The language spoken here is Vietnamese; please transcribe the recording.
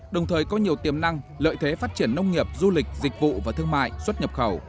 đồng thời có nhiều tiềm năng lợi thế phát triển nông nghiệp du lịch dịch vụ và thương mại xuất nhập khẩu